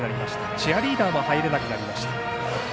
チアリーダーも入れなくなりました。